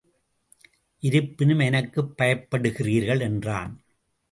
இருப்பினும் எனக்குப் பயப்படுகிறீர்கள் என்றான்.